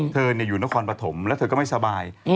เธออยู่นครปฐมแล้วเธอก็ไม่สบาย